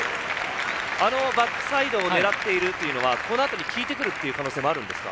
バックサイドを狙っているというのはこのあとにきいてくる可能性はあるんですか？